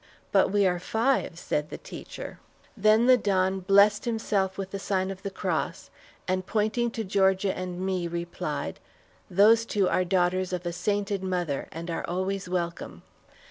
"But we are five," said the teacher. Then the Don blessed himself with the sign of the cross, and pointing to Georgia and me, replied, "Those two are daughters of a sainted mother, and are always welcome!"